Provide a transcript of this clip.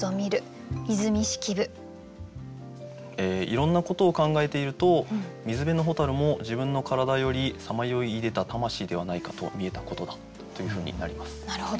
いろんなことを考えていると水辺の蛍も自分の体よりさまよい出でた魂ではないかと見えたことだというふうになります。